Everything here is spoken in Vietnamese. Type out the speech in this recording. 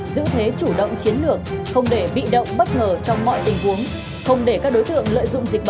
giữ thế chủ động chiến lược không để bị động bất ngờ trong mọi tình huống